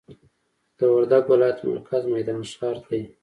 د وردګ ولایت مرکز میدان ښار دي.